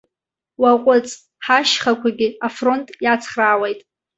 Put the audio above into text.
Уаҟәыҵ, ҳашьхақәагьы афронт иацхраауеит.